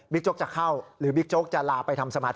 โจ๊กจะเข้าหรือบิ๊กโจ๊กจะลาไปทำสมาธิ